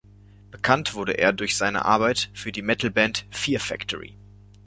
Bekannt wurde er durch seine Arbeit für die Metal-Band Fear Factory.